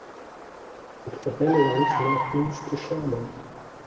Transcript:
It then runs northeast to Sherman.